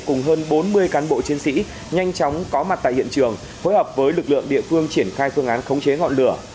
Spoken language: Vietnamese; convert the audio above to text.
cùng hơn bốn mươi cán bộ chiến sĩ nhanh chóng có mặt tại hiện trường phối hợp với lực lượng địa phương triển khai phương án khống chế ngọn lửa